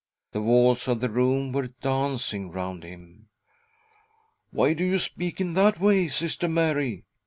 The walls of the room were dancing round him. " Why do you speak in that way, Sister Mary ?